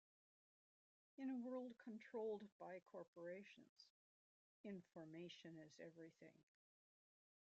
In a world controlled by corporations, information is everything.